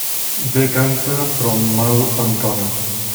Bé canta, però mal entona.